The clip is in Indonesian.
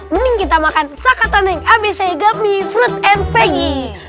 mending kita makan sakatonik abc gummy fruit and veggie